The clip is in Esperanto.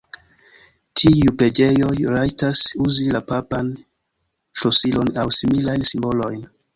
Tiuj preĝejoj rajtas uzi la papan ŝlosilon aŭ similajn simbolojn.